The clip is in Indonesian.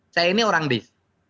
saya ini orang desa